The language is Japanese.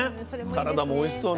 サラダもおいしそうね。